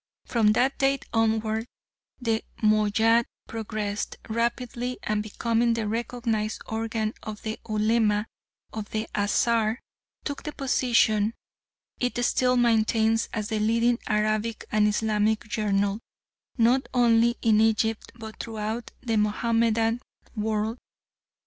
From that date onward the Moayyad progressed rapidly, and becoming the recognised organ of the Ulema of the Azhar, took the position it still maintains as the leading Arabic and Islamic journal, not only in Egypt but throughout the Mahomedan world.